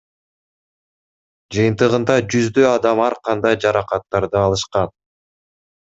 Жыйынтыгында жүздөй адам ар кандай жаракаттарды алышкан.